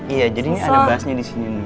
iya jadi ini ada bassnya di sini